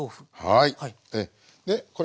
はい。